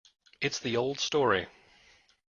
It's the old story.